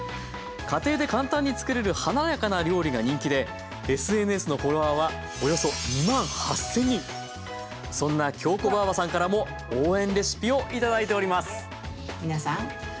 家庭で簡単に作れる華やかな料理が人気でＳＮＳのフォロワーはおよそそんなきょうこばぁばさんからも応援レシピをいただいております。